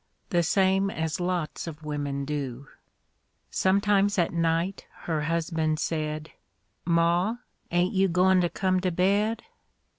The same as lots of wimmin do; Sometimes at night her husban' said, "Ma, ain't you goin' to come to bed?"